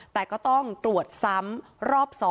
แต่ก็ต้องตรวจซ้ำรอบ๒